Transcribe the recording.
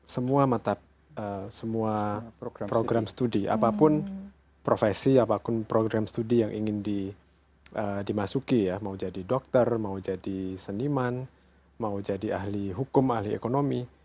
semua mata semua program studi apapun profesi apapun program studi yang ingin dimasuki ya mau jadi dokter mau jadi seniman mau jadi ahli hukum ahli ekonomi